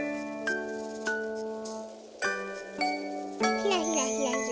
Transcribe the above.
ひらひらひらひら。